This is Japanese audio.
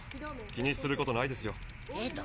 気にすることないですよ。